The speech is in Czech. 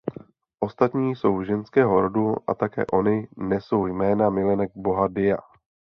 Ostatní jsou ženského rodu a také ony nesou jména milenek boha Dia.